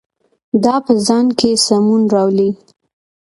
دا په ځان کې سمون راولي.